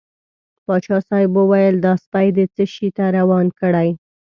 پاچا صاحب وویل دا سپی دې څه شي ته روان کړی.